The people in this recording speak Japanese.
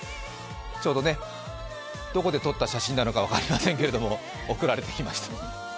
ちょうどね、どこで撮った写真なのか分かりませんが送られてきました。